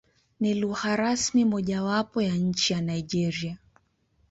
Ni lugha rasmi mojawapo ya nchi ya Nigeria.